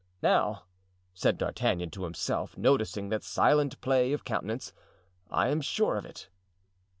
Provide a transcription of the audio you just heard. "Now," said D'Artagnan to himself, noticing that silent play of countenance, "I am sure of it."